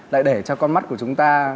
lại để cho con mắt của chúng ta